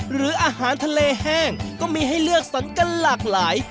หรืออาหารทะเลแห้งก็มีให้เลือกสรรกันหลากหลาย